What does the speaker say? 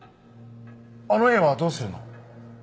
あの絵はどうするの？